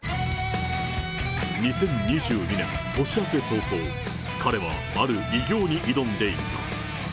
２０２２年、年明け早々、彼は、ある偉業に挑んでいた。